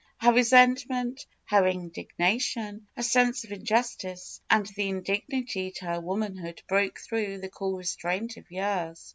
Her resentment, her indig nation, her sense of injustice and the indignity to her womanhood broke through the cool restraint of years.